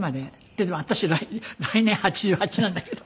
でも私来年８８なんだけど。